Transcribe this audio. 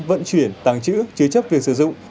vận chuyển tàng trữ chứa chấp việc sử dụng